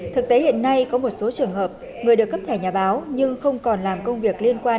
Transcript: thực tế hiện nay có một số trường hợp người được cấp thẻ nhà báo nhưng không còn làm công việc liên quan